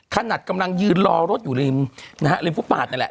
ขนาดกำลังยืนรอรถอยู่ริมนะฮะริมฟุตบาทนั่นแหละ